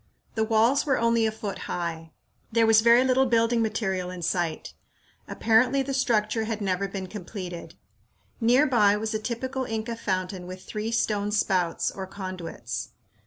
The walls were only a foot high. There was very little building material in sight. Apparently the structure had never been completed. Near by was a typical Inca fountain with three stone spouts, or conduits.